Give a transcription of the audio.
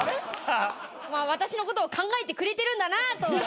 まあ私のことを考えてくれてるんだなと。